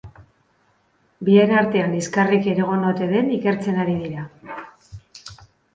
Bien artean liskarrik egon ote den ikertzen ari dira.